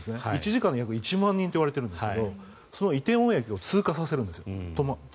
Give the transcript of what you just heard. １時間で約１万人といわれているんですがその梨泰院駅を止めずに通過させるんです。